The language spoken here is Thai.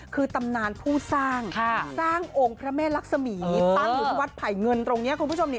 คือตำนานผู้สร้างสร้างองค์พระแม่ลักษมีตั้งอยู่ที่วัดไผ่เงินตรงนี้คุณผู้ชมนี่